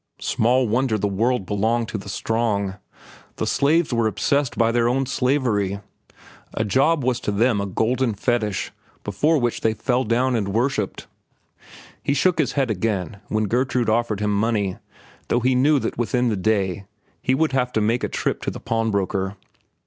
Small wonder the world belonged to the strong. The slaves were obsessed by their own slavery. A job was to them a golden fetich before which they fell down and worshipped. He shook his head again, when Gertrude offered him money, though he knew that within the day he would have to make a trip to the pawnbroker.